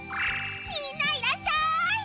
みんないらっしゃい！